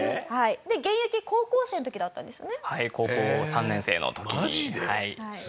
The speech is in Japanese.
現役高校生の時だったんですよね？